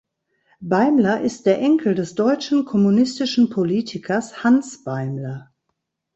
Beimler ist der Enkel des deutschen kommunistischen Politikers Hans Beimler.